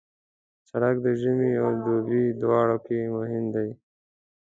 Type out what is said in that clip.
سړک د ژمي او دوبي دواړو کې مهم دی.